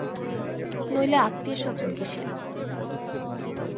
নইলে আত্মীয়স্বজন কিসের।